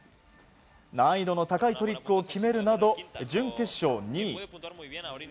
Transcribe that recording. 難易度の高いトリックを決めるなど準決勝２位。